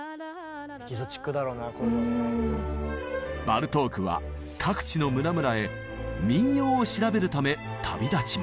バルトークは各地の村々へ民謡を調べるため旅立ちます。